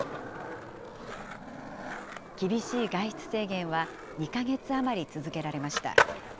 厳しい外出制限は２か月余り続けられました。